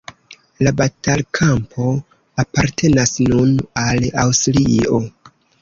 La batalkampo apartenas nun al Aŭstrio.